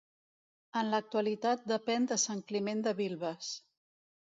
En l'actualitat depèn de Sant Climent de Vilves.